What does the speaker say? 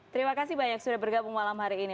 terima kasih banyak sudah bergabung malam hari ini